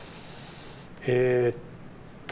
えっと